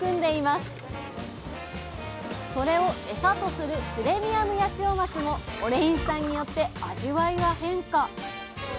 それをエサとするプレミアムヤシオマスもオレイン酸によって味わいが変化。